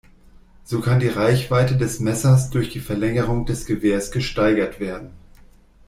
So kann die Reichweite des Messers durch die Verlängerung des Gewehrs gesteigert werden.